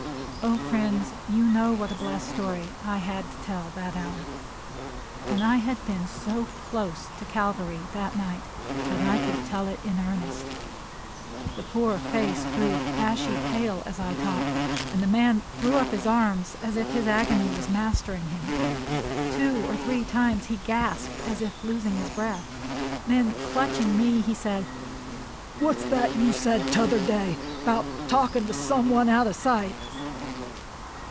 O friends, you know what a blessed story I had to tell that hour, and I had been so close to Calvary that night that I could tell it in earnest! The poor face grew ashy pale as I talked, and the man threw up his arms as if his agony was mastering him. Two or three times he gasped, as if losing his breath. Then, clutching me, he said, "What's that you said t'other day 'bout talkin' to some one out o' sight?"